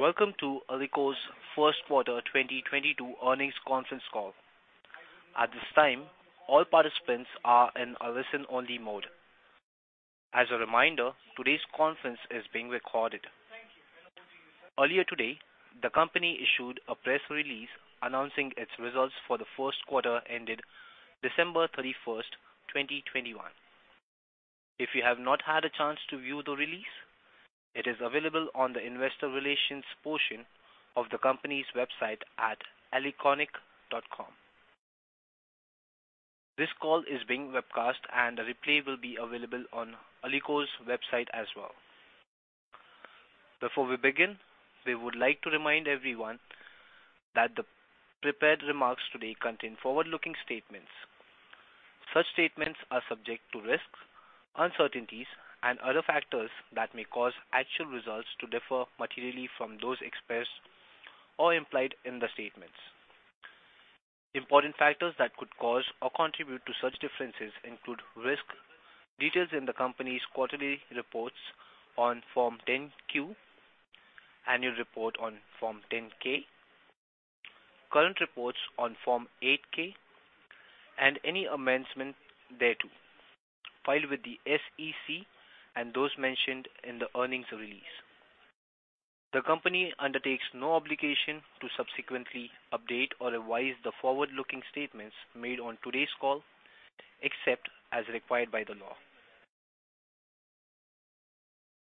Welcome to Alico's first quarter 2022 earnings conference call. At this time, all participants are in a listen-only mode. As a reminder, today's conference is being recorded. Earlier today, the company issued a press release announcing its results for the first quarter ended December 31st, 2021. If you have not had a chance to view the release, it is available on the investor relations portion of the company's website at alicoinc.com. This call is being webcast, and a replay will be available on Alico's website as well. Before we begin, we would like to remind everyone that the prepared remarks today contain forward-looking statements. Such statements are subject to risks, uncertainties and other factors that may cause actual results to differ materially from those expressed or implied in the statements. Important factors that could cause or contribute to such differences include risk details in the company's quarterly reports on Form 10-Q, annual report on Form 10-K, current reports on Form 8-K, and any amendment thereto, filed with the SEC and those mentioned in the earnings release. The company undertakes no obligation to subsequently update or revise the forward-looking statements made on today's call, except as required by the law.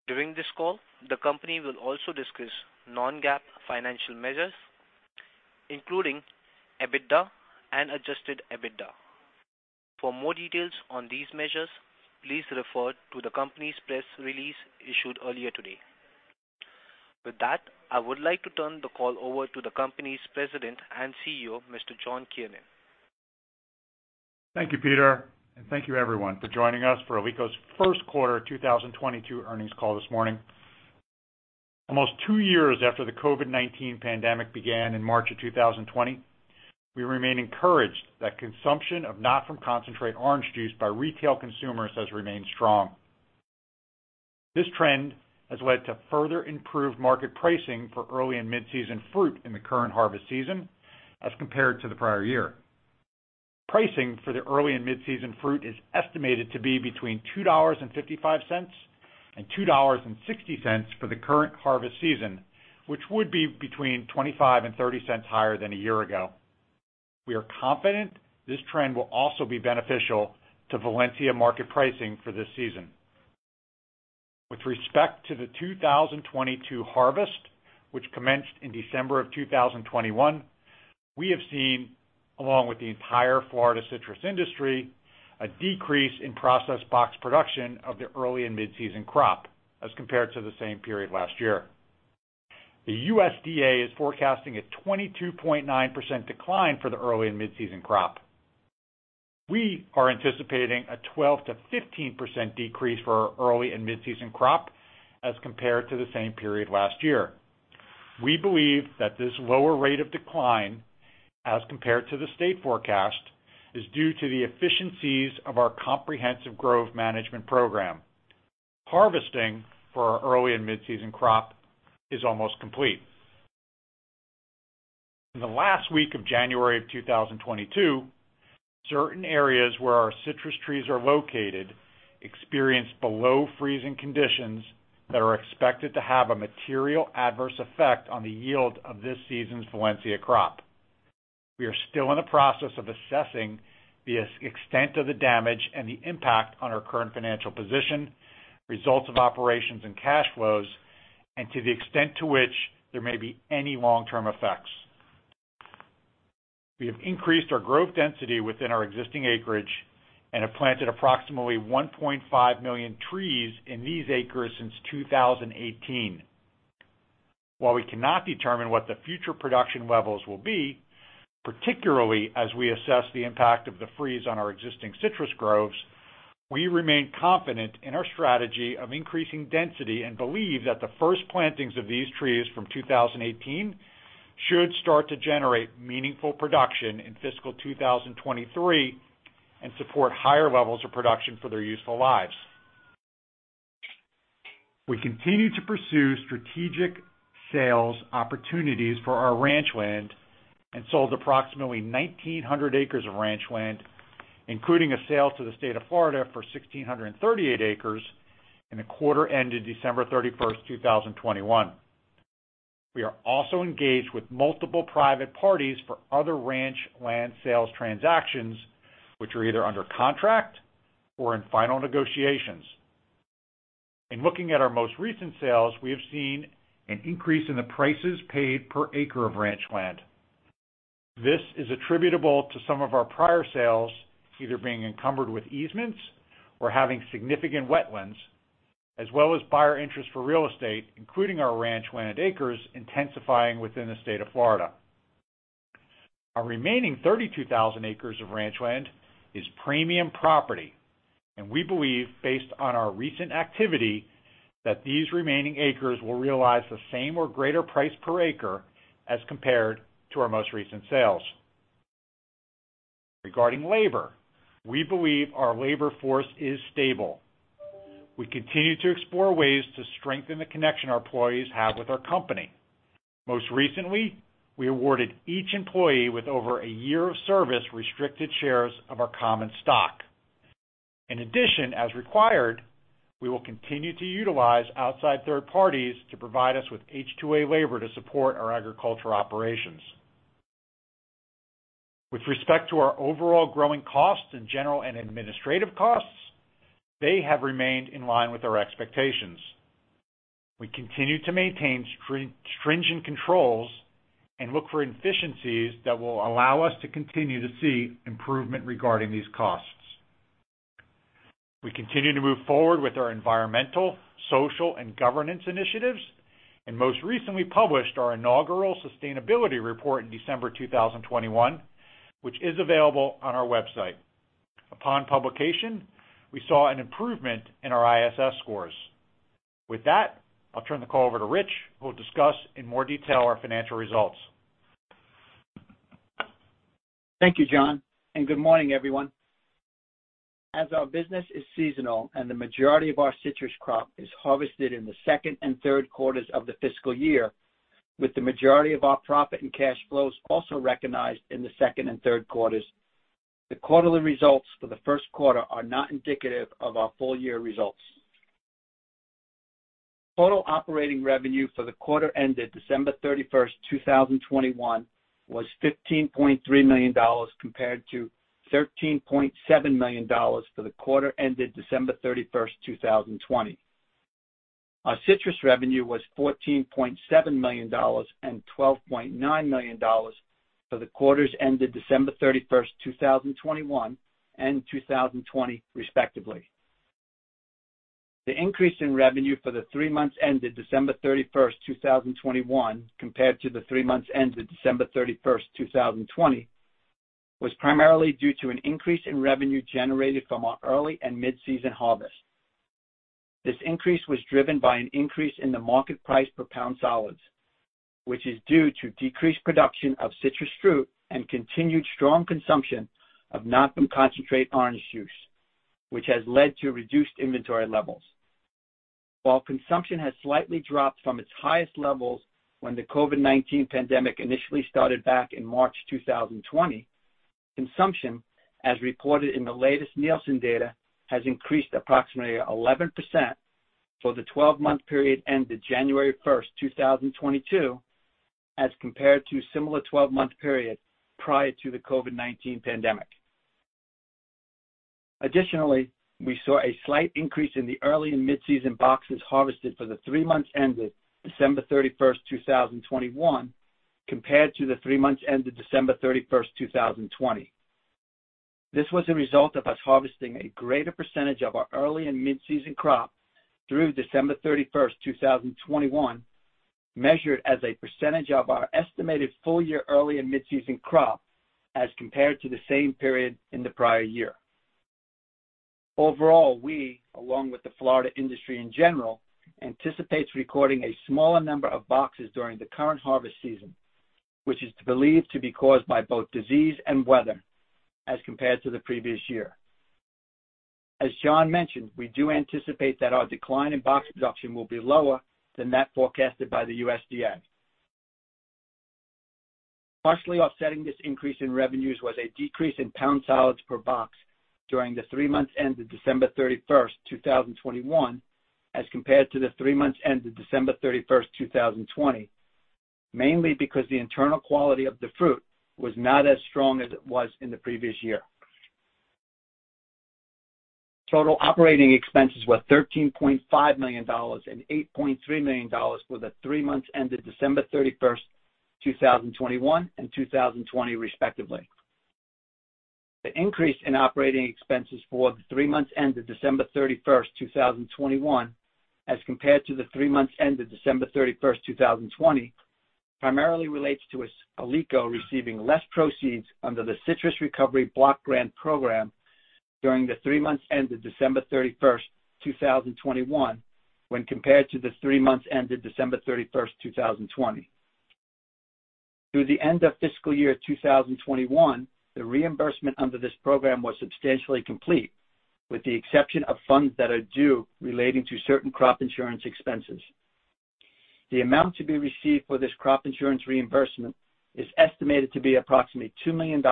During this call, the company will also discuss non-GAAP financial measures, including EBITDA and adjusted EBITDA. For more details on these measures, please refer to the company's press release issued earlier today. With that, I would like to turn the call over to the company's President and CEO, Mr. John Kiernan. Thank you, Peter, and thank you everyone for joining us for Alico's first quarter 2022 earnings call this morning. Almost 2 years after the COVID-19 pandemic began in March of 2020, we remain encouraged that consumption of not from concentrate orange juice by retail consumers has remained strong. This trend has led to further improved market pricing for early and mid-season fruit in the current harvest season as compared to the prior year. Pricing for the early and mid-season fruit is estimated to be between $2.55 and $2.60 for the current harvest season, which would be between 25 and 30 cents higher than a year ago. We are confident this trend will also be beneficial to Valencia market pricing for this season. With respect to the 2022 harvest, which commenced in December 2021, we have seen, along with the entire Florida citrus industry, a decrease in processed box production of the early and mid-season crop as compared to the same period last year. The USDA is forecasting a 22.9% decline for the early and mid-season crop. We are anticipating a 12%-15% decrease for our early and mid-season crop as compared to the same period last year. We believe that this lower rate of decline as compared to the state forecast is due to the efficiencies of our comprehensive growth management program. Harvesting for our early and mid-season crop is almost complete. In the last week of January 2022, certain areas where our citrus trees are located experienced below freezing conditions that are expected to have a material adverse effect on the yield of this season's Valencia crop. We are still in the process of assessing the extent of the damage and the impact on our current financial position, results of operations and cash flows, and to the extent to which there may be any long-term effects. We have increased our growth density within our existing acreage and have planted approxim, ately 1.5 million trees in these acres since 2018. While we cannot determine what the future production levels will be, particularly as we assess the impact of the freeze on our existing citrus groves, we remain confident in our strategy of increasing density and believe that the first plantings of these trees from 2018 should start to generate meaningful production in fiscal 2023 and support higher levels of production for their useful lives. We continue to pursue strategic sales opportunities for our ranch land and sold approximately 1,900 acres of ranch land, including a sale to the State of Florida for 1,638 acres in the quarter ended December 31st, 2021. We are also engaged with multiple private parties for other ranch land sales transactions which are either under contract or in final negotiations. In looking at our most recent sales, we have seen an increase in the prices paid per acre of ranch land. This is attributable to some of our prior sales either being encumbered with easements or having significant wetlands, as well as buyer interest for real estate, including our ranch land acres intensifying within the State of Florida. Our remaining 32,000 acres of ranch land is premium property. We believe based on our recent activity, that these remaining acres will realize the same or greater price per acre as compared to our most recent sales. Regarding labor, we believe our labor force is stable. We continue to explore ways to strengthen the connection our employees have with our company. Most recently, we awarded each employee with over a year of service restricted shares of our common stock. In addition, as required, we will continue to utilize outside third parties to provide us with H-2A labor to support our agricultural operations. With respect to our overall growing costs and general and administrative costs, they have remained in line with our expectations. We continue to maintain stringent controls and look for efficiencies that will allow us to continue to see improvement regarding these costs. We continue to move forward with our environmental, social, and governance initiatives, and most recently published our inaugural sustainability report in December 2021, which is available on our website. Upon publication, we saw an improvement in our ISS scores. With that, I'll turn the call over to Rich, who will discuss in more detail our financial results. Thank you, John, and good morning, everyone. As our business is seasonal and the majority of our citrus crop is harvested in the second and third quarters of the fiscal year, with the majority of our profit and cash flows also recognized in the second and third quarters, the quarterly results for the first quarter are not indicative of our full-year results. Total operating revenue for the quarter ended December 31st, 2021 was $15.3 million compared to $13.7 million for the quarter ended December 31st, 2020. Our citrus revenue was $14.7 million and $12.9 million for the quarters ended December 31st, 2021 and 2020 respectively. The increase in revenue for the three months ended December 31st, 2021 compared to the three months ended December 31st, 2020 was primarily due to an increase in revenue generated from our early and mid-season harvest. This increase was driven by an increase in the market price per pound solids, which is due to decreased production of citrus fruit and continued strong consumption of non-concentrate orange juice, which has led to reduced inventory levels. While consumption has slightly dropped from its highest levels when the COVID-19 pandemic initially started back in March 2020, consumption, as reported in the latest Nielsen data, has increased approximately 11% for the 12-month period ended January 1, 2022 as compared to a similar 12-month period prior to the COVID-19 pandemic. Additionally, we saw a slight increase in the early- and mid-season boxes harvested for the three months ended December 31st, 2021 compared to the three months ended December 31st, 2020. This was a result of us harvesting a greater percentage of our early and mid-season crop through December 31st, 2021, measured as a percentage of our estimated full-year early and mid-season crop as compared to the same period in the prior year. Overall, we, along with the Florida industry in general, anticipate recording a smaller number of boxes during the current harvest season, which is believed to be caused by both disease and weather as compared to the previous year. As John mentioned, we do anticipate that our decline in box production will be lower than that forecasted by the USDA. Partially offsetting this increase in revenues was a decrease in pound solids per box during the three months ended December 31st, 2021 as compared to the three months ended December 31st, 2020, mainly because the internal quality of the fruit was not as strong as it was in the previous year. Total operating expenses were $13.5 million and $8.3 million for the three months ended December 31st, 2021 and 2020 respectively. The increase in operating expenses for the three months ended December 31st, 2021 as compared to the three months ended December 31st, 2020 primarily relates to Alico receiving less proceeds under the Citrus Recovery Block Grant Program during the three months ended December 31st, 2021 when compared to the three months ended December 31st, 2020. Through the end of fiscal year 2021, the reimbursement under this program was substantially complete, with the exception of funds that are due relating to certain crop insurance expenses. The amount to be received for this crop insurance reimbursement is estimated to be approximately $2 million,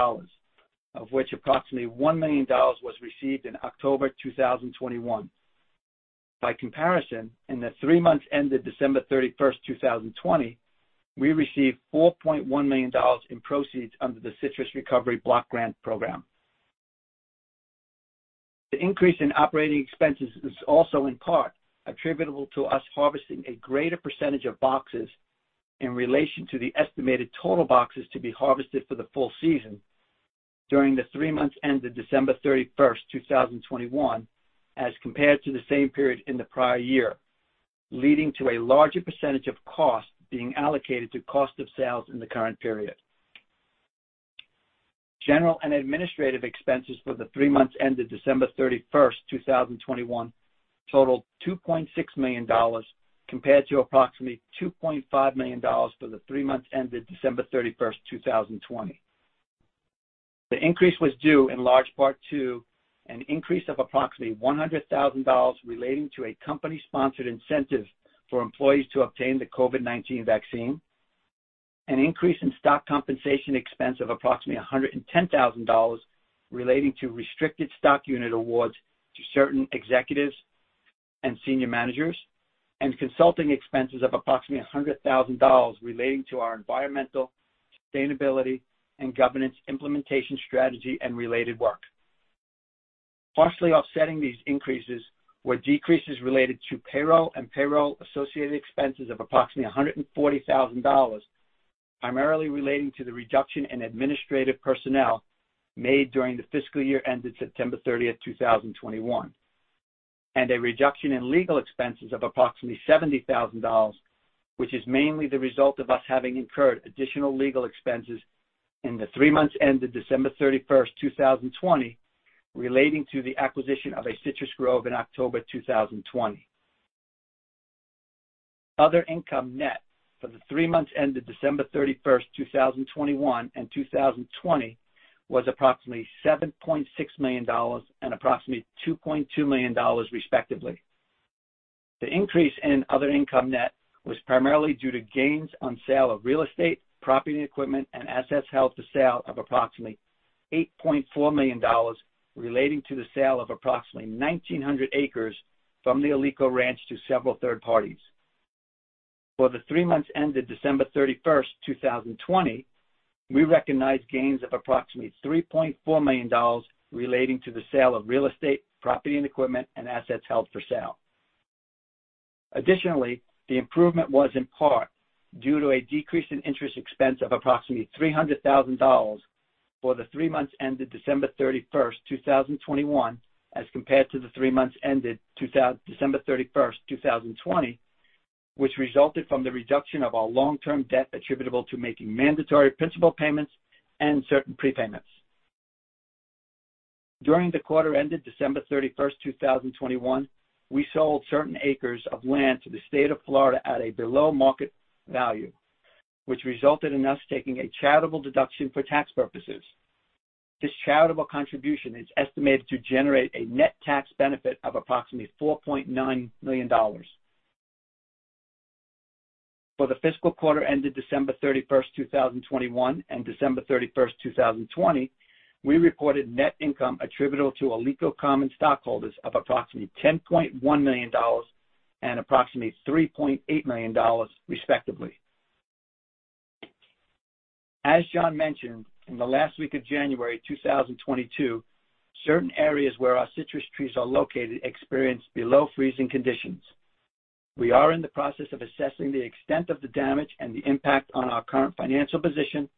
of which approximately $1 million was received in October 2021. By comparison, in the three months ended December 31st, 2020, we received $4.1 million in proceeds under the Citrus Recovery Block Grant Program. The increase in operating expenses is also in part attributable to us harvesting a greater percentage of boxes in relation to the estimated total boxes to be harvested for the full season during the three months ended December 31st, 2021 as compared to the same period in the prior year, leading to a larger percentage of cost being allocated to cost of sales in the current period. General and administrative expenses for the three months ended December 31st, 2021 totaled $2.6 million compared to approximately $2.5 million for the three months ended December 31st, 2020. The increase was due in large part to an increase of approximately $100,000 relating to a company-sponsored incentive for employees to obtain the COVID-19 vaccine. An increase in stock compensation expense of approximately $110,000 relating to restricted stock unit awards to certain executives and senior managers. Consulting expenses of approximately $100,000 relating to our environmental, sustainability and governance implementation strategy and related work. Partially offsetting these increases were decreases related to payroll and payroll-associated expenses of approximately $140,000, primarily relating to the reduction in administrative personnel made during the fiscal year ended September 30th, 2021. A reduction in legal expenses of approximately $70,000, which is mainly the result of us having incurred additional legal expenses in the three months ended December 31st, 2020, relating to the acquisition of a citrus grove in October 2020. Other income net for the three months ended December 31st, 2021 and 2020 was approximately $7.6 million and approximately $2.2 million, respectively. The increase in other income net was primarily due to gains on sale of real estate, property and equipment and assets held for sale of approximately $8.4 million relating to the sale of approximately 1,900 acres from the Alico Ranch to several third parties. For the three months ended December 31st, 2020, we recognized gains of approximately $3.4 million relating to the sale of real estate, property and equipment and assets held for sale. Additionally, the improvement was in part due to a decrease in interest expense of approximately $300,000 for the three months ended December 31st, 2021, as compared to the three months ended December 31st, 2020, which resulted from the reduction of our long-term debt attributable to making mandatory principal payments and certain prepayments. During the quarter ended December 31st, 2021, we sold certain acres of land to the State of Florida at a below market value, which resulted in us taking a charitable deduction for tax purposes. This charitable contribution is estimated to generate a net tax benefit of approximately $4.9 million. For the fiscal quarter ended December 31st, 2021 and December 31st, 2020, we reported net income attributable to Alico common stockholders of approximately $10.1 million and approximately $3.8 million, respectively. As John mentioned, in the last week of January 2022, certain areas where our citrus trees are located experienced below-freezing conditions. We are in the process of assessing the extent of the damage and the impact on our current financial position,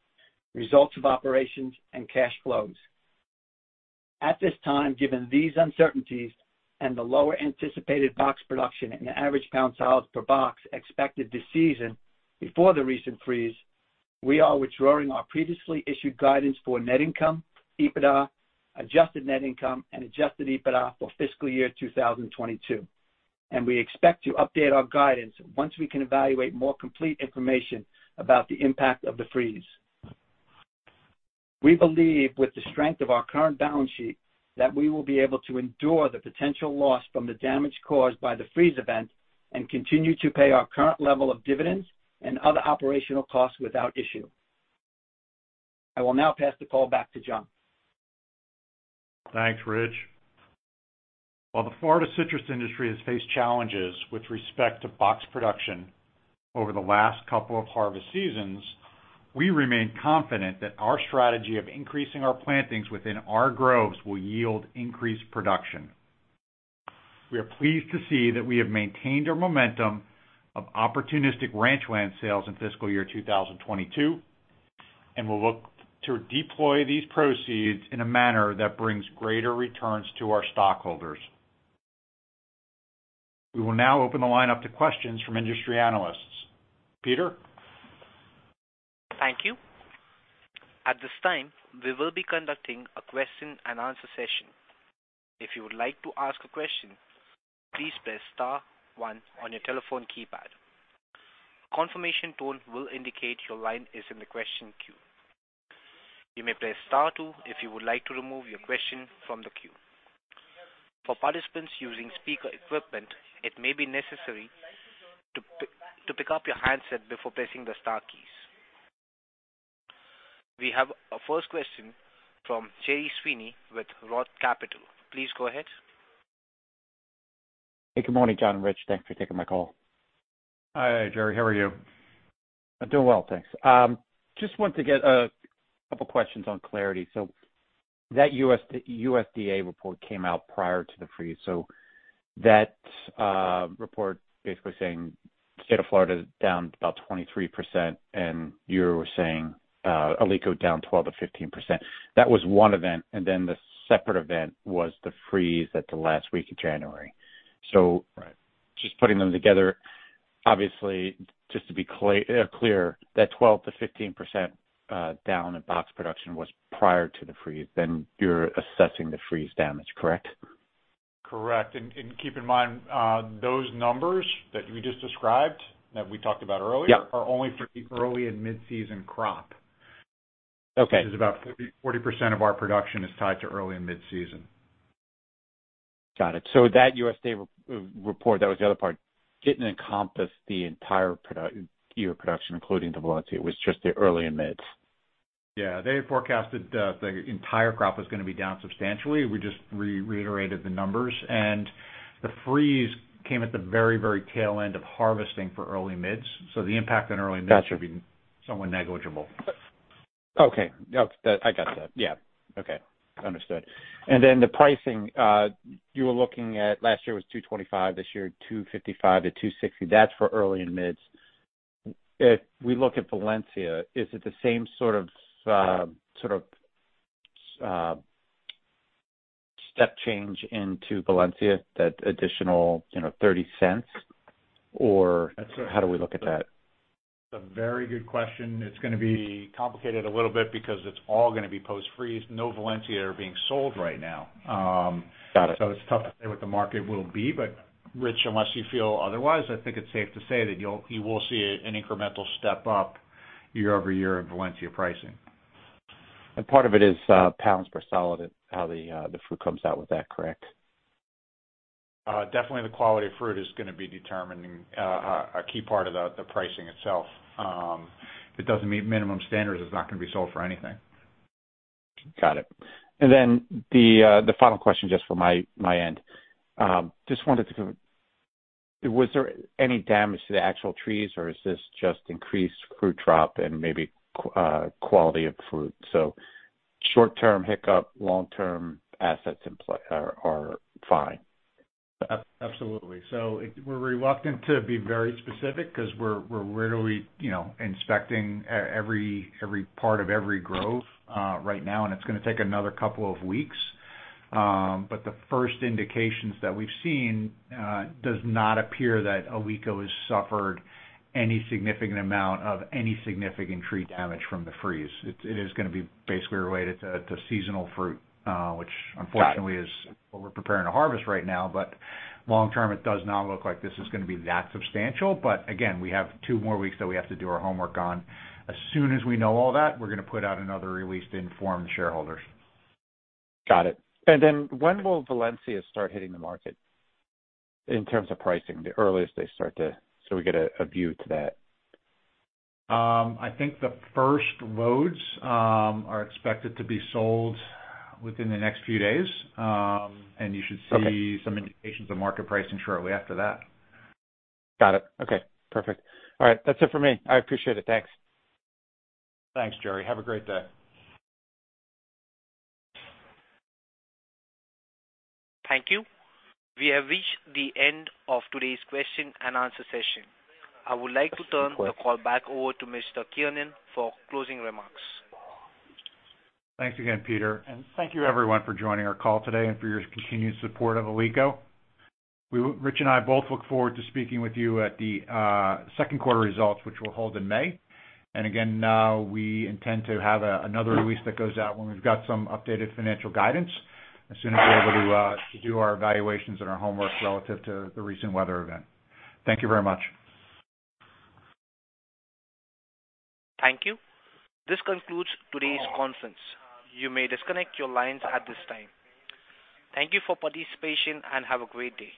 results of operations and cash flows. At this time, given these uncertainties and the lower anticipated box production and the average pound-size per box expected this season before the recent freeze, we are withdrawing our previously issued guidance for net income, EBITDA, adjusted net income, and adjusted EBITDA for fiscal year 2022. We expect to update our guidance once we can evaluate more complete information about the impact of the freeze. We believe with the strength of our current balance sheet that we will be able to endure the potential loss from the damage caused by the freeze event and continue to pay our current level of dividends and other operational costs without issue. I will now pass the call back to John. Thanks, Rich. While the Florida citrus industry has faced challenges with respect to box production over the last couple of harvest seasons, we remain confident that our strategy of increasing our plantings within our groves will yield increased production. We are pleased to see that we have maintained our momentum of opportunistic ranch land sales in fiscal year 2022, and we'll look to deploy these proceeds in a manner that brings greater returns to our stockholders. We will now open the line up to questions from industry analysts. Peter? Thank you. At this time, we will be conducting a question and answer session. If you would like to ask a question, please press star one on your telephone keypad. A confirmation tone will indicate your line is in the question queue. You may press star two if you would like to remove your question from the queue. For participants using speaker equipment, it may be necessary to pick up your handset before pressing the star keys. We have our first question from Gerry Sweeney with Roth Capital. Please go ahead. Hey, good morning, John and Rich. Thanks for taking my call. Hi, Gerry. How are you? I'm doing well, thanks. Just want to get a couple questions on clarity. That USDA report came out prior to the freeze. That report basically saying State of Florida is down about 23% and you were saying Alico down 12%-15%. That was one event, and then the separate event was the freeze in the last week of January. Just putting them together, obviously, just to be clear, that 12%-15% down in box production was prior to the freeze, then you're assessing the freeze damage, correct? Correct. Keep in mind those numbers that you just described that we talked about earlier. Yeah. Are only for the early and mid-season crop. Okay. Which is about 40% of our production is tied to early and mid-season. Got it. That USDA re-report, that was the other part, didn't encompass the entire year production, including the Valencia, it was just the early and mids. Yeah. They forecasted the entire crop was gonna be down substantially. We just reiterated the numbers. The freeze came at the very tail end of harvesting for early mids. The impact on early mids would be somewhat negligible. Okay. Oh, that. I got that. Yeah. Okay. Understood. Then the pricing you were looking at last year was $2.25, this year $2.55-$2.60. That's for early and mids. If we look at Valencia, is it the same sort of step change into Valencia that additional, you know, $0.30, or how do we look at that? That's a very good question. It's gonna be complicated a little bit because it's all gonna be post-freeze. No Valencia are being sold right now. Got it. It's tough to say what the market will be, but Rich, unless you feel otherwise, I think it's safe to say that you will see an incremental step up year-over-year in Valencia pricing. Part of it is, pound solids, how the fruit comes out with that, correct? Definitely the quality of fruit is gonna be determining a key part of the pricing itself. If it doesn't meet minimum standards, it's not gonna be sold for anything. Got it. The final question just from my end, just wondered if there was any damage to the actual trees, or is this just increased fruit drop and maybe quality of fruit? Short-term hiccup, long-term assets in play are fine. Absolutely. We're reluctant to be very specific 'cause we're rarely, you know, inspecting every part of every grove right now, and it's gonna take another couple of weeks. The first indications that we've seen does not appear that Alico has suffered any significant amount of any significant tree damage from the freeze. It is gonna be basically related to seasonal fruit, which unfortunately Got it. is what we're preparing to harvest right now. Long term, it does not look like this is gonna be that substantial. Again, we have two more weeks that we have to do our homework on. As soon as we know all that, we're gonna put out another release to inform the shareholders. Got it. When will Valencia start hitting the market in terms of pricing, the earliest they start to, so we get a view to that. I think the first loads are expected to be sold within the next few days. You should see some indications of market pricing shortly after that. Got it. Okay, perfect. All right, that's it for me. I appreciate it. Thanks. Thanks, Gerry. Have a great day. Thank you. We have reached the end of today's question and answer session. I would like to turn the call back over to Mr. Kiernan for closing remarks. Thanks again, Peter, and thank you everyone for joining our call today and for your continued support of Alico. Rich and I both look forward to speaking with you at the second quarter results, which we'll hold in May. Again, we intend to have another release that goes out when we've got some updated financial guidance as soon as we're able to do our evaluations and our homework relative to the recent weather event. Thank you very much. Thank you. This concludes today's conference. You may disconnect your lines at this time. Thank you for participation, and have a great day.